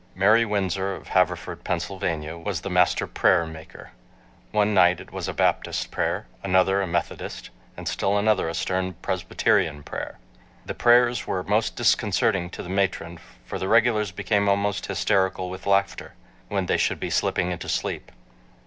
Mary Winsor of Haverford, Pennsylvania, was the master prayer maker. One night it was a Baptist prayer, another a Methodist, and still another a stern Presbyterian prayer. The prayers were most disconcerting to the matron for the "regulars" became almost hysterical with laughter, when they should be slipping into sleep.